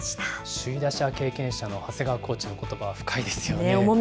首位打者経験者の長谷川コーチのことばは深いですよね。